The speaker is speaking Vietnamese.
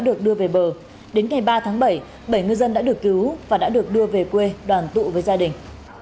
được đưa về bờ đến ngày ba tháng bảy bảy ngư dân đã được cứu và đã được đưa về quê đoàn tụ với gia đình